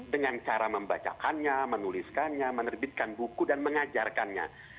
dengan cara membacakannya menuliskannya menerbitkan buku dan mengajarkannya